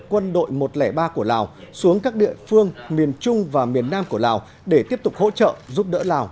quân đội một trăm linh ba của lào xuống các địa phương miền trung và miền nam của lào để tiếp tục hỗ trợ giúp đỡ lào